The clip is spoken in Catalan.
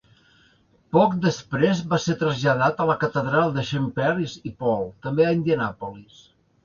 Poc després, va ser traslladat a la catedral de Saint Peter i Paul, també a Indianapolis.